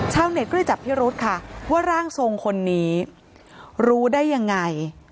เน็ตก็เลยจับพิรุธค่ะว่าร่างทรงคนนี้รู้ได้ยังไง